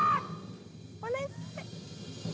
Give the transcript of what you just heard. ・お願い！